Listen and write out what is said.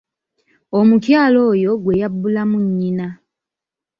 Omukyala oyo gwe yabbulamu nnyina.